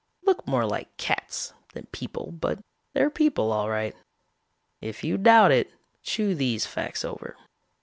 Look more like cats than people, but they're people all right. If you doubt it, chew these facts over.